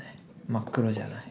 真っ黒じゃない。